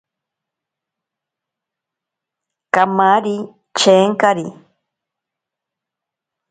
Kamari chenkari.